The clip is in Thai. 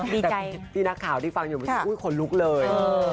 แต่พี่นักข่าวที่ฟังอยู่อุ้ยคนลุกเลย